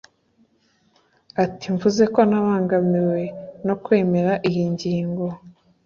ati “Mvuze ko nabangamiwe no kwemera iyi ngingo